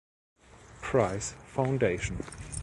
Price Foundation.